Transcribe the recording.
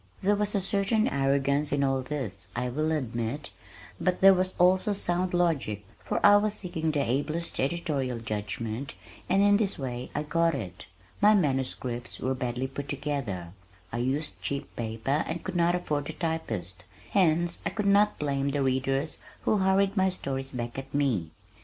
There was a certain arrogance in all this, I will admit, but there was also sound logic, for I was seeking the ablest editorial judgment and in this way I got it. My manuscripts were badly put together (I used cheap paper and could not afford a typist), hence I could not blame the readers who hurried my stories back at me.